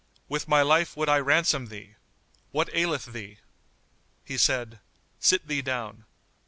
With my life would I ransom thee! What aileth thee?" He said, "Sit thee down."